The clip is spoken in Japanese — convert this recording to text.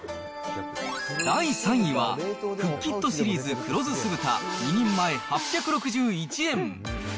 第３位は、クッキットシリーズ黒酢酢豚２人前８６１円。